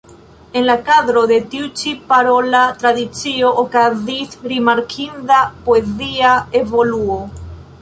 En la kadro de tiu ĉi parola tradicio okazis rimarkinda poezia evoluo.